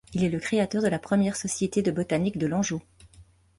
Il est le créateur de la première société de botanique de l'Anjou.